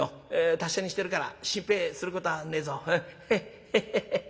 達者にしてるから心配することはねえぞ。ヘヘヘヘ。